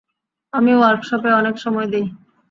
আমি ওয়ার্কশপে অনেক সময় দেই।